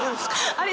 あれ？